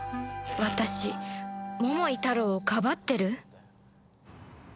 私桃井タロウをかばってる？